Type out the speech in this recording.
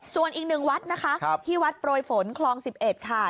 ส่วนอีกหนึ่งวัดนะคะที่วัดโปรยฝนคลอง๑๑ค่ะ